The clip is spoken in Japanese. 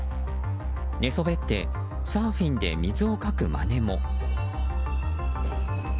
寝そべってサーフィンで水をかくまねも。